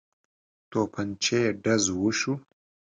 توپنچې ډز وشو.